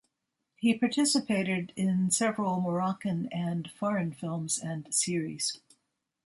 He participated in several Moroccan and foreign films and series.